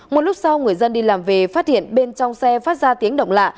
một lúc sau người dân đi làm về phát hiện bên trong xe phát ra tiếng động lạ